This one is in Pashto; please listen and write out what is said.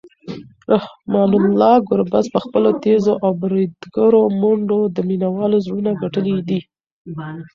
رحمان الله ګربز په خپلو تېزو او بریدګرو منډو د مینوالو زړونه ګټلي دي.